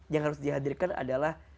yang harus dihadirkan adalah